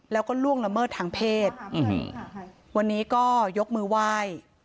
แล้วก็ล่วงละเมิดทางเพศวันนี้ก็ยกมือไหว้